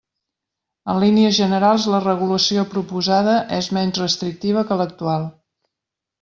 En línies generals la regulació proposada és menys restrictiva que l'actual.